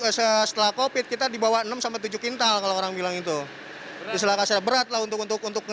es setelah kopit kita dibawa enam tujuh quintal kalau orang bilang itu diselakas ada berat untuk untuk